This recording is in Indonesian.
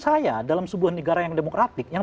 saya dalam sebuah negara yang demokratik yang